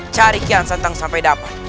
cari kian sentang sampai dapat